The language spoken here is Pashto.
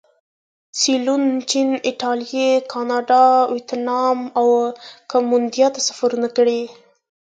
سیلون، چین، ایټالیې، کاناډا، ویتنام او کمبودیا ته سفرونه کړي.